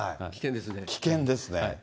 危険ですね。